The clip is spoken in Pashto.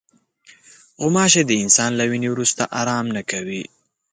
غوماشې د انسان له وینې وروسته آرام نه کوي.